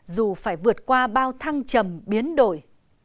dù phải vượt qua bao thăng trầm biến đổi